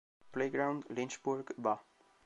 Playground, Lynchburg, Va.".